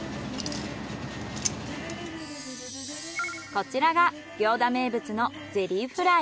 こちらが行田名物のゼリーフライ。